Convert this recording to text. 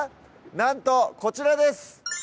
なんとこちらです！